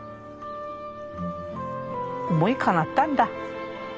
思いかなったんだ。